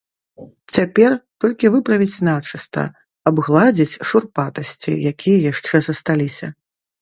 Цяпер толькі выправіць начыста, абгладзіць шурпатасці, якія яшчэ засталіся.